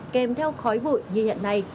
kèm theo khói bụi như hiện nay